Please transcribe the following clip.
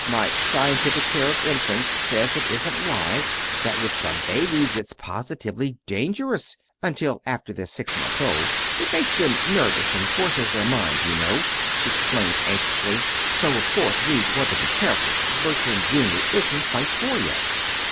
My 'Scientific Care of Infants' says it isn't wise; that with some babies it's positively dangerous, until after they're six months old. It makes them nervous, and forces their mind, you know," she explained anxiously. "So of course we'd want to be careful. Bertram, Jr., isn't quite four, yet."